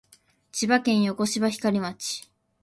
千葉県横芝光町